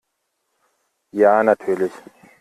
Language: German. Ja, natürlich!